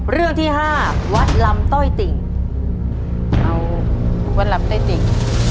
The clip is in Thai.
เรื่องที่ห้าวัดลำต้อยติ่งเอาวัดลำไต้ติ่ง